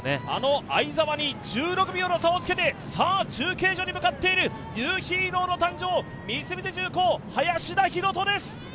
あの相澤に１６秒の差をつけて中継所に向かっている、ニューヒーローの誕生、三菱重工・林田洋翔です。